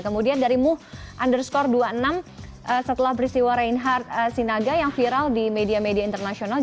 kemudian dari muh underscore dua puluh enam setelah peristiwa reinhardt sinaga yang viral di media media internasional